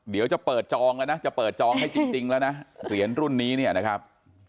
เดี๋ยวจะเปิดจองแล้วนะจะเปิดจองให้จริงแล้วนะเหรียญรุ่นนี้เนี่ยนะครับ